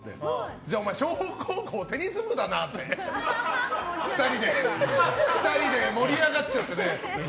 じゃあお前湘北高校テニス部だなって２人で盛り上がっちゃってね。